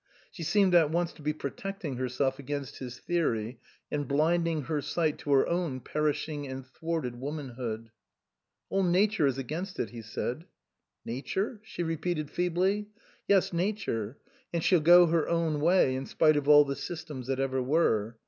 She seemed at once to be protecting herself against his theory and blinding her sight to her own perishing and thwarted womanhood. " All Nature is against it," he said. " Nature ?" she repeated feebly. " Yes, Nature ; and she'll go her own way in spite of all the systems that ever were.